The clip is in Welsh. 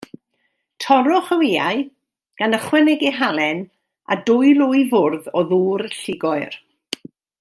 Torrwch y wyau, gan ychwanegu halen, a dwy lwy fwrdd o ddŵr llugoer.